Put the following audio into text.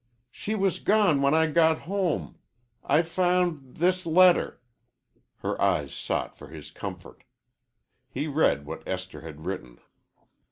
"She was gone when I got home. I found this letter." Her eyes sought his for comfort. He read what Esther had written.